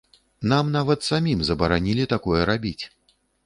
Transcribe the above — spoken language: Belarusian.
Нам нават самім забаранілі такое рабіць!